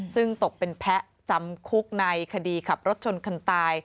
ซึ่งตกเป็นแพ้จำคุกในคดีขับรถชนคนตาย